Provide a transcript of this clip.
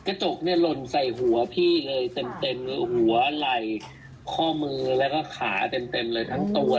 กระจกเนี่ยหล่นใส่หัวพี่เลยเต็มหัวไหล่ข้อมือแล้วก็ขาเต็มเลยทั้งตัว